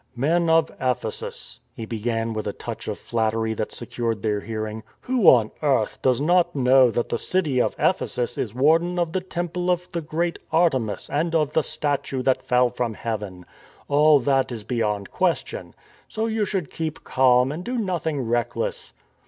" Men of Ephesus," he began with a touch of flat tery that secured their hearing, " who on earth does not know that the city of Ephesus is warden of the temple of the great Artemis and of the statue that fell from heaven? All that is beyond question. So you should keep calm and do nothing reckless.